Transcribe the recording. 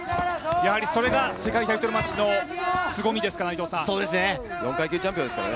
やはりそれが世界タイトルマッチのすごみですかね。